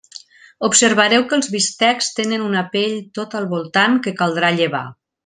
Observareu que els bistecs tenen una pell tot al voltant que caldrà llevar.